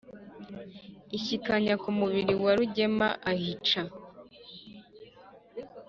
inshyikanya ku mubiri ya rugema ahica